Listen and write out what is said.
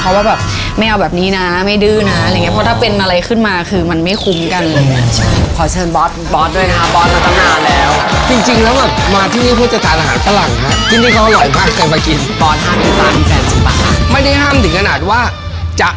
แต่ว่ากุ๊กจิ๊กแต่นิดหน่อยโอเคชุ่มเทือนจิตจาก